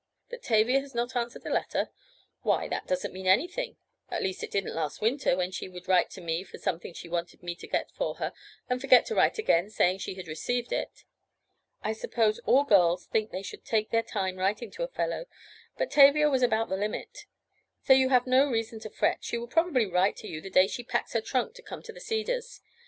That Tavia has not answered a letter? Why that doesn't mean anything—at least it didn't last winter, when she would write me for something she wanted me to get for her, and forget to write again saying she had received it. I suppose all girls think they should take their time writing to a fellow, but Tavia was about the limit. So you have no reason to fret, as she will probably write to you the day she packs her trunk to come to the Cedars.